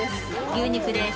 牛肉です。